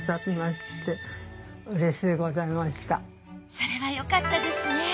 それはよかったですね！